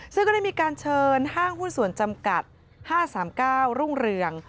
ซึ่งก็ได้มีการเชิญห้างหุ้นส่วนจำกัด๕๓๙รุ่งเรือง